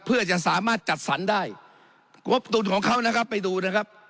เพื่อจะสามารถจัดสรรได้งบตุลของเขานะครับไปดูนะครับ